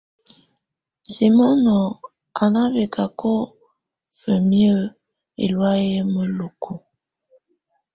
Simono á ná bɛcacɔ fǝ́miǝ́ ɛlɔ̀áyɛ́ mǝ́luku.